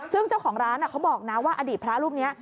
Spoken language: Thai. ซึ่งเจ้าของร้านเขาบอกนะว่าอดีตพระรูปนี้